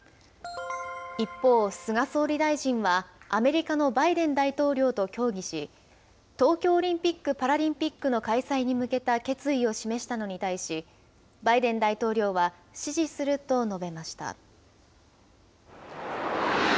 一方、菅総理大臣はアメリカのバイデン大統領と協議し、東京オリンピック・パラリンピックの開催に向けた決意を示したのに対し、バイデン大統領は支持すると述べました。